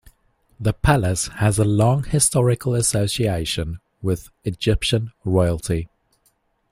The palace has a long historical association with Egyptian royalty.